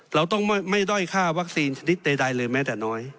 เราต้องไม่ด้อยค่าวัคซีนชนิดใดเลยแม้แต่น้อย